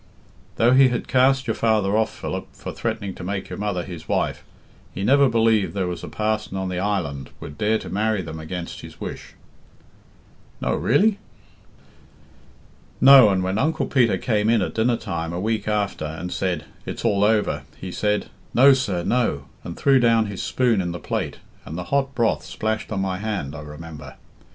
"Though he had cast your father off, Philip, for threatening to make your mother his wife, he never believed there was a parson on the island would dare to marry them against his wish." "No, really?" "No; and when Uncle Peter came in at dinner time a week after and said, 'It's all over,' he said, 'No, sir, no,' and threw down his spoon in the plate, and the hot broth splashed on my hand, I remember.